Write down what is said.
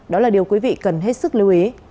đó là điều quý vị cần hết sức lưu ý